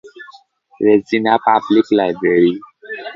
Regina public library.